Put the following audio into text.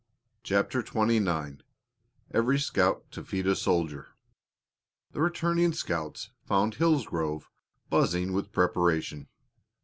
CHAPTER XXIX "EVERY SCOUT TO FEED A SOLDIER" The returning scouts found Hillsgrove buzzing with preparation.